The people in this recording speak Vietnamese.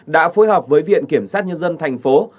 đã phối hợp với viện kiểm soát nhân dân tp hcm